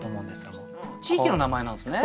地域の名前なんですね。